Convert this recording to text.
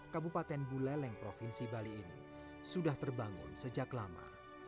kabupaten buleleng provinsi bali ini sudah terbangun sejak lama